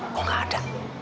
kok gak ada